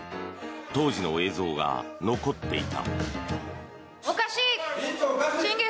当時の映像が残っていた。